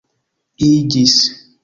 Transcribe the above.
iĝis